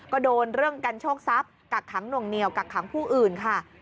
ก็โดนเรื่องกันโชคทรัพย์กักขังหน่วงเหนียวกักขังผู้อื่นค่ะ